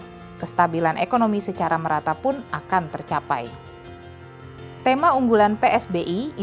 dan ketika bank indonesia pemerintah mengatakan sesuatu hal hal akan terjadi